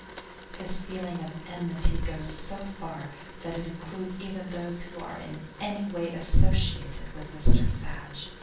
His feeling of enmity goes so far that it includes even those who are in any way associated with Mr Fadge.